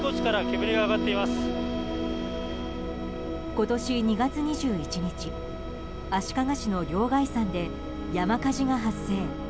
今年２月２１日足利市の両崖山で山火事が発生。